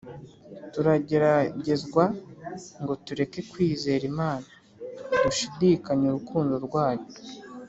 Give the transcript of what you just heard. , Turageragezwa ngo tureke kwizera Imana, dushidikanye urukundo rwayo.